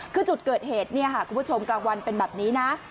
คือจุดเกิดเหตุเนี่ยค่ะคุณผู้ชมกลางวันเป็นแบบนี้นะ